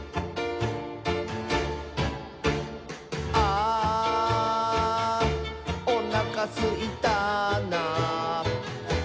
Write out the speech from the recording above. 「あーおなかすいたな」